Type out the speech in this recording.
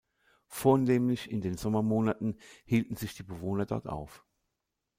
Vornehmlich in den Sommermonaten hielten sich die Bewohner dort auf.